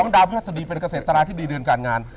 ๒ดาวพิธศดีเป็นเกษตราที่บรีเรียนการงาน